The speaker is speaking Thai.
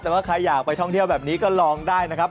แต่ว่าใครอยากไปท่องเที่ยวแบบนี้ก็ลองได้นะครับ